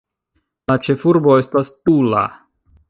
La ĉefurbo estas Tula.